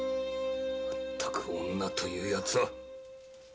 全く女というヤツは。